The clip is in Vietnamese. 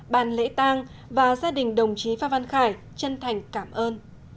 ban lễ tăng và gia đình đồng chí phan văn khải chân thành cảm ơn